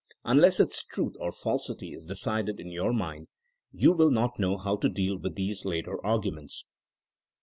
Unless its truth or falsity is decided in your own mind you will not know how to deal with these later arguments.